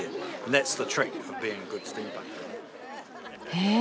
へえ。